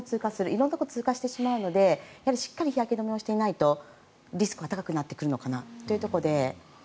色んなところを通過してしまうのでしっかり日焼け止めをしていないとリスクが高くなってくるのかなというところで。